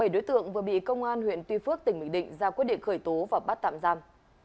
bảy đối tượng vừa bị công an huyện tuy phước tỉnh bình định ra quyết định khởi tố và bắt tạm giam